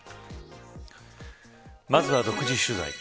まずは独自取材。